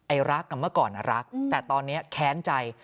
รักเมื่อก่อนรักแต่ตอนนี้แค้นใจ